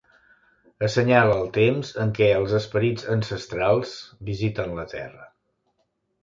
Assenyala el temps en què els esperits ancestrals visiten la Terra.